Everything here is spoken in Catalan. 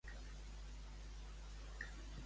A la terra dels nans, qui fa un pam n'és el rei.